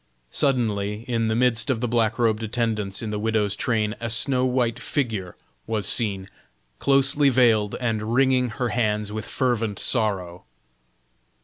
Suddenly, in the midst of the black robed attendants in the widow's train, a snow white figure was seen, closely veiled, and wringing her hands with fervent sorrow.